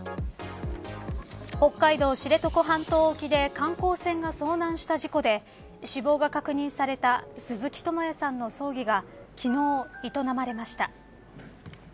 北海道知床半島沖で観光船が遭難した事故で死亡が確認された鈴木智也さんの葬儀が昨日、営まれました。